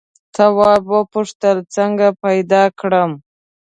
تواب وپوښتل څنګه پیدا کړم.